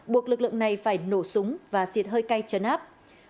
buộc lực lượng này phải nổ súng và xịt hơi cay chấn áp